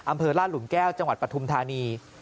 อำเภอลาดหลุมแก้วจังหวัดปฐุมธานี